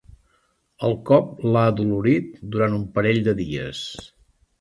El cop l'ha adolorit durant un parell de dies.